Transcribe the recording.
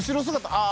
ああ。